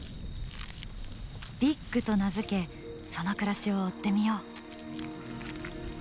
「ビッグ」と名付けその暮らしを追ってみよう。